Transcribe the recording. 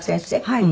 はい。